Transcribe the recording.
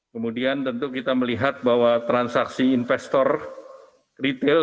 kemudian tentu kita melihat bahwa transaksi investor retail